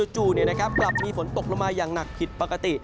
กลับมีฝนตกลงมาอย่างหนักผิดปกติ